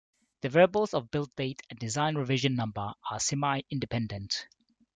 The variables of build date and design revision number are semi-independent.